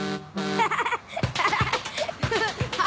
・アハハハ！